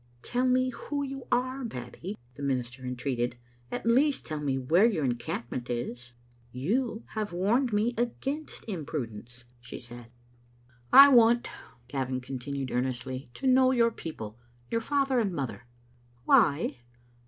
"Tell me who you are. Babbie," the minister en treated; "at least, tell me where your encampment is." "You have warned me against imprudence," she said. Digitized by VjOOQ IC IM XCbe little Ainfatet* " I want," Gavin continued, earnestly, "to know your people, your father and mother." "Why?"